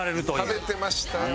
食べてましたよ。